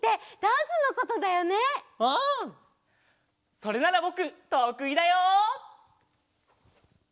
それならぼくとくいだよ！